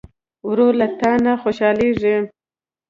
ورور له تا نه خوشحالېږي.